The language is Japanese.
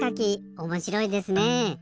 おもしろいですね。